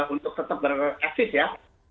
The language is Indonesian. untuk tetap beresis ya